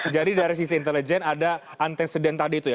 jadi dari sisi intelijen ada antecedent tadi itu ya